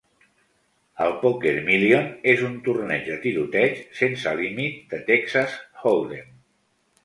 El Poker Million és un torneig de "tiroteig" sense límit de Texas Holdem.